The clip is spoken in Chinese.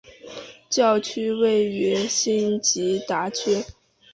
教区位于辛吉达区。